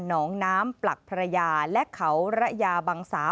น้องน้ำปลักพระยาและเขาระยาบังสา